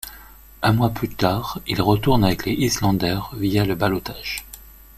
Un mois plus tard, il retourne avec les Islanders via le ballotage.